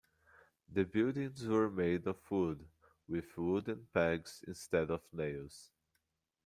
The buildings were made of wood, with wooden pegs instead of nails.